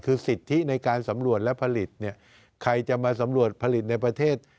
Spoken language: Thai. คือสิทธิในการสำรวจและผลิตเนี่ยใครจะมาสำรวจผลิตในประเทศ